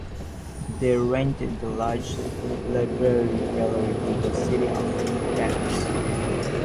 They rented the large library gallery to the city of Paris.